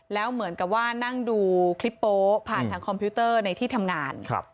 แล้วเหมือนกับว่านั่งดูคลิปโป๊ผ่านทางคอมพิวเตอร์ในที่ทำงาน